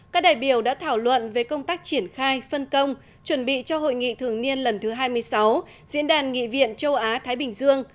các đại biểu đã thảo luận về công tác triển khai phân công chuẩn bị cho hội nghị thường niên lần thứ hai mươi sáu diễn đàn nghị viện châu á thái bình dương